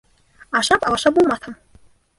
Ашап, алаша булмаҫһың.